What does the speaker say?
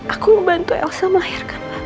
aku membantu elsa melahirkan